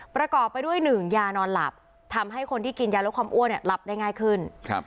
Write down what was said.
ประกอบไปด้วย๑ยานอนหลับทำให้คนที่กินยาลดความอ้วนหลับได้ง่ายขึ้น